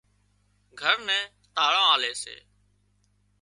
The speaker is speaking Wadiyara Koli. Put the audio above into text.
گھر نين تاۯان آلي سي